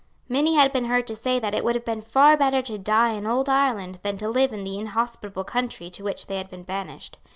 Many had been heard to say that it would have been far better to die in old Ireland than to live in the inhospitable country to which they had been banished.